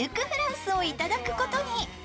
フランスをいただくことに。